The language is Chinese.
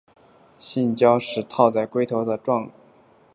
性交时套在龟头的状沟上或阴茎根部。